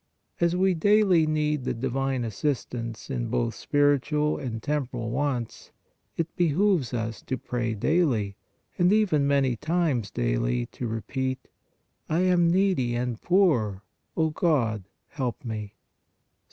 As we daily need the divine assistance in both spiritual and temporal wants, it behooves us to pray daily, and even many times daily to repeat :" I am needy and poor ; O God, help me" (Ps.